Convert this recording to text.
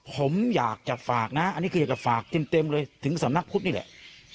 ผมอยากจะฝากนะอันนี้คืออยากจะฝากเต็มเลยถึงสำนักพุทธนี่แหละ